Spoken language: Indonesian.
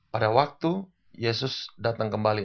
pada waktu yesus datang kembali